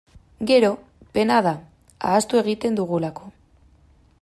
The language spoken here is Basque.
Gero, pena da, ahaztu egiten dugulako.